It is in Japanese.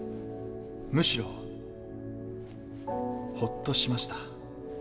むしろホッとしました。